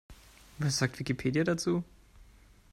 Was sagt Wikipedia dazu?